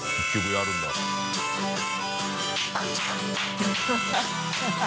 ハハハ ）